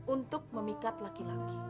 untuk memikat laki laki